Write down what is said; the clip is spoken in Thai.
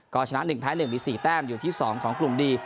ก็ชนะหนึ่งแพ้หนึ่งมีสี่แต้มอยู่ที่สองของกลุ่มดี